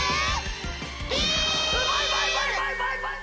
バイバイバイバイバイバイバイ。